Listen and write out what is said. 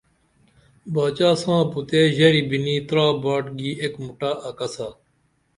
باچا ساں پُتے ژری بینی ترا باٹ گی ایک مُٹہ اکسا